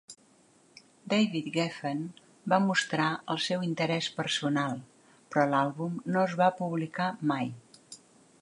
David Geffen va mostrar el seu interès personal, però l'àlbum no es va publicar mai.